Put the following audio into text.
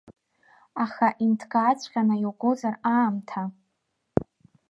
Аха инҭкааҵәҟьаны иугозар аамҭа.